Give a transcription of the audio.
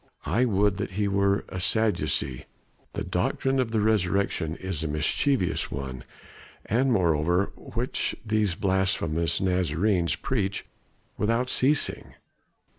I would that he were a Sadducee, the doctrine of the resurrection is a mischievous one, and one moreover which these blasphemous Nazarenes preach without ceasing.